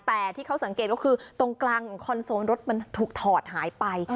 แต่ที่เขาสังเกตก็คือตรงกลางคอนโซลรถมันถูกถอดหายไป